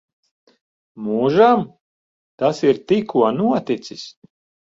Mūžam? Tas ir tikko noticis.